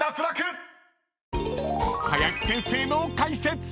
［林先生の解説！］